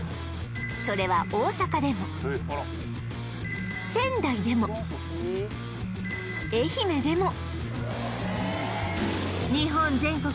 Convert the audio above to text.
それは大阪でも仙台でも愛媛でも日本全国